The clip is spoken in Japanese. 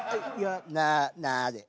ななで。